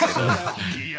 いや。